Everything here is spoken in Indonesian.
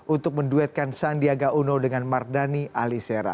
untuk menduetkan sandiaga uno dengan mardhani alisera